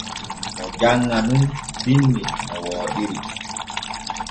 Oo janŋa nun binni no wooɗiri.